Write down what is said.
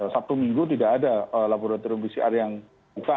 sabtu minggu tidak ada laboratorium pcr yang buka